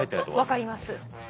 分かります。